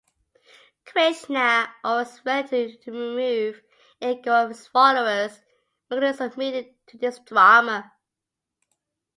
Krishna, always ready to remove ego of his followers, meekly submitted to this drama.